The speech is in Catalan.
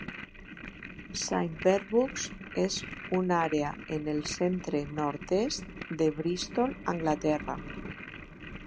Saint Werburgh's és una àrea en el centre-nord-est de Bristol, Anglaterra.